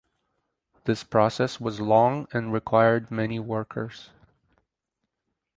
This process was long and required many workers.